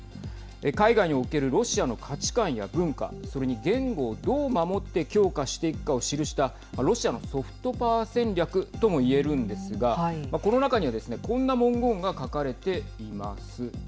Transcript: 海外におけるロシアの価値観や文化それに言語をどう守って強化していくかを記したロシアのソフトパワー戦略ともいえるんですがこの中にはですねこんな文言が書かれています。